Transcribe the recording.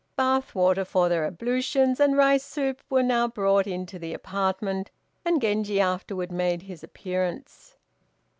Bath water for their ablutions, and rice soup were now brought into the apartment, and Genji afterward made his appearance.